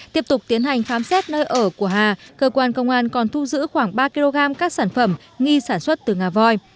tiếp tục tiến hành khám xét nơi ở của hà cơ quan công an còn thu giữ khoảng ba kg các sản phẩm nghi sản xuất từ ngà voi